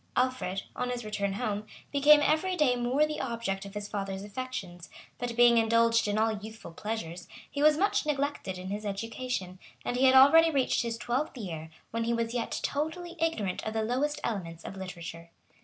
Alfred, on his return home, became every day more the object of his father's affections; but being indulged in all youthful pleasures, he was much neglected in his education; and he had already reached his twelfth year, when he was yet totally ignorant of the lowest elements of literature.